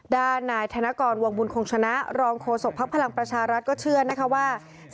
ด้านนายธนกรวงบุญคงชนะรองโฆษกภักดิ์พลังประชารัฐก็เชื่อนะคะว่า